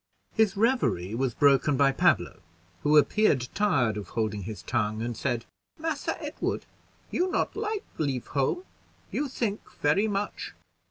His revery was broken by Pablo, who appeared tired of holding his tongue, and said, "Massa Edward, you not like leave home you think very much.